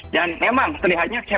dan memang terlihatnya k pop